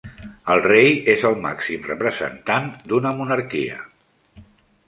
El rei és el màxim representant d'una monarquia.